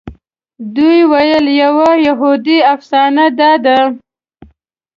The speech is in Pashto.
دوی ویل یوه یهودي افسانه داده.